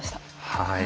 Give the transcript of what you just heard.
はい。